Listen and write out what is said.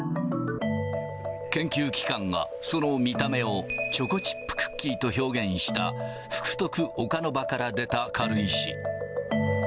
研究機関がその見た目をチョコチップクッキーと表現した福徳岡ノ場から出た軽石。